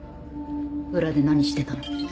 裏で何してたの？